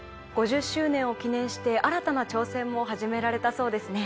５０周年を記念して新たな挑戦も始められたそうですね。